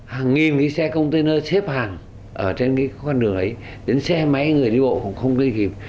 cái xe container xếp hàng ở trên cái con đường ấy đến xe máy người đi bộ cũng không đi kịp